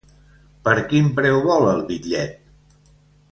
Per quin preu vol el bitllet?